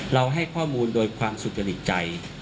เราให้ข้อมูลโดยความสุขจนิดใจ